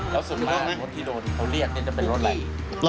แล้วส่วนมากรถที่โดนเขาเรียกจะเป็นรถอะไร